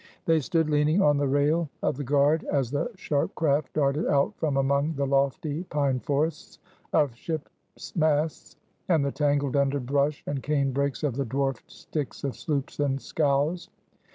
They stood leaning on the rail of the guard, as the sharp craft darted out from among the lofty pine forests of ships' masts, and the tangled underbrush and cane brakes of the dwarfed sticks of sloops and scows.